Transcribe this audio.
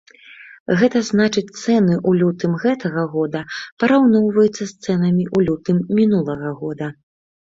Гэта значыць, цэны ў лютым гэтага года параўноўваюцца з цэнамі ў лютым мінулага года.